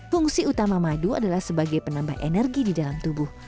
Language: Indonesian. fungsi utama madu adalah sebagai penambah energi di dalam tubuh